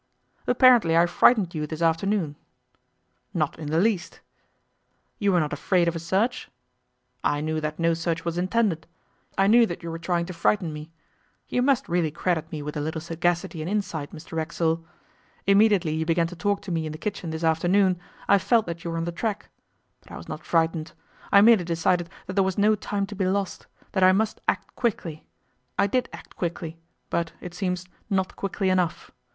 'Apparently I frightened you this afternoon?' 'Not in the least.' 'You were not afraid of a search?' 'I knew that no search was intended. I knew that you were trying to frighten me. You must really credit me with a little sagacity and insight, Mr Racksole. Immediately you began to talk to me in the kitchen this afternoon I felt you were on the track. But I was not frightened. I merely decided that there was no time to be lost that I must act quickly. I did act quickly, but, it seems, not quickly enough.